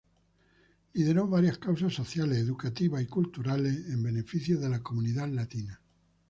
Lideró varias causas sociales, educativas y culturales en beneficio de la comunidad latina.